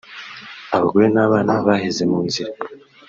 abagore n’abana baheze mu nzira